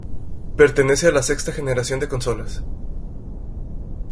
Pertenece a la sexta generación de consolas.